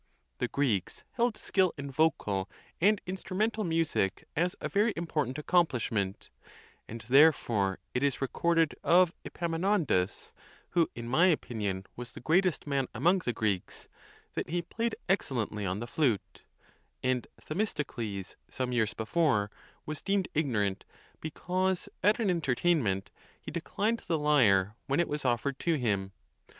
The Greeks held skill in vocal and instrumental mu si¢ as a very important accomplishment, and therefore it is recorded of Epaminondas, who, in my opinion, was the greatest man among the Greeks, that he played excellent ly on the flute; and Themistocles, some years before, was deemed ignorant because at an entertainment he declined the lyre when it was offered to him.